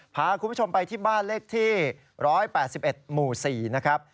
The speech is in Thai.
พาคุณผู้ชมไปที่บ้านเลขที่๑๘๑หมู่๔นะครับ